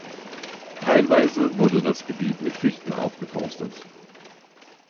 Teilweise wurde das Gebiet mit Fichten aufgeforstet.